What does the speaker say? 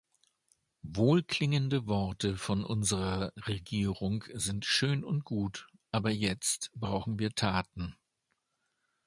Wohlklingende Worte von unserer Regierung sind schön und gut, aber jetzt brauchen wir Taten.